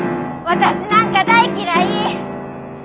私なんか大嫌い！